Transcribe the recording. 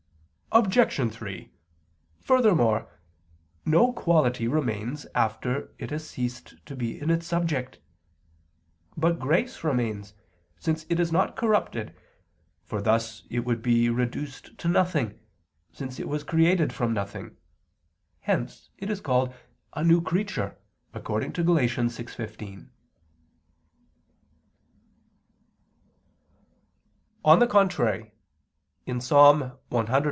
Obj. 3: Furthermore, no quality remains after it has ceased to be in its subject. But grace remains; since it is not corrupted, for thus it would be reduced to nothing, since it was created from nothing; hence it is called a "new creature"(Gal. 6:15). On the contrary, on Ps.